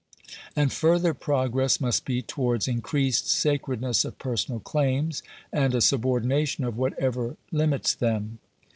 And further progress must be towards increased saoredness of personal claims, and a subordination of whatever limits them.